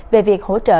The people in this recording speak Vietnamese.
về việc hỗ trợ